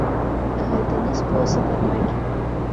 Гэта не спосаб атакі.